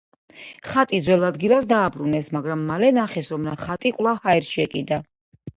ხატი ძველ ადგილას დააბრუნეს, მაგრამ მალე ნახეს, რომ ხატი კვლავ ჰაერში ეკიდა.